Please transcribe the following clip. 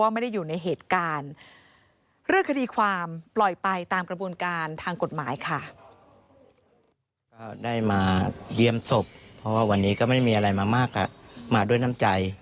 มาเยี่ยมศพเพราะวันนี้ก็ไม่มีอะไรมามากมาด้วยน้ำใจ